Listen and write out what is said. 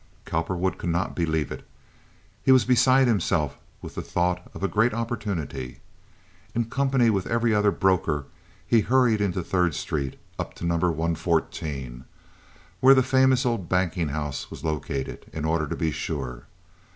Cowperwood could not believe it. He was beside himself with the thought of a great opportunity. In company with every other broker, he hurried into Third Street and up to Number 114, where the famous old banking house was located, in order to be sure.